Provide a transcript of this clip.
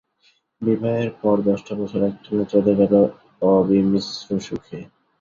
বিবাহের পর দশটা বছর একটানা চলে গেল অবিমিশ্র সুখে।